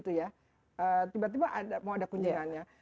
tiba tiba mau ada kunjungannya